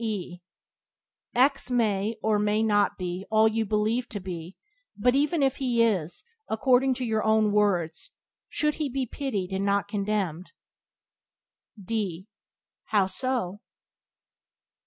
E X may or may not be all you believe to be, but, even if he is, according to your own words, he should be pitied and not condemned. D How so?